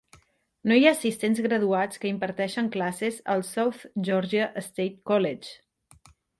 No hi ha assistents graduats que imparteixen classes al South Georgia State College.